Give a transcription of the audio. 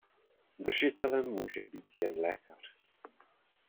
Držitelem může být jen lékař.